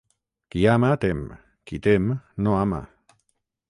Qui ama tem, qui tem no ama.